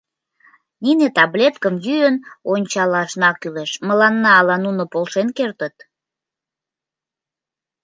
Нине таблеткым йӱын, ончалашна кӱлеш, мыланна ала нуно полшен кертыт.